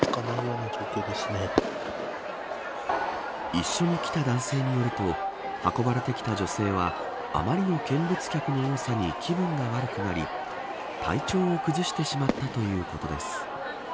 一緒に来た男性によると運ばれてきた女性はあまりの見物客の多さに気分が悪くなり体調を崩してしまったということです。